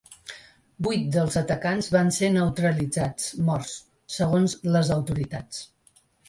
Vuit dels atacants van ser ‘neutralitzats’ —morts—, segons les autoritats.